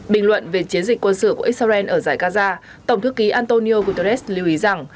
bình luận về chiến dịch quân sự của israel ở giải gaza tổng thư ký antonio guterres lưu ý rằng